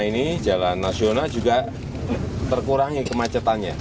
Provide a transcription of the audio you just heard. dan jalan nasional yang lama ini terkurangi kemacetannya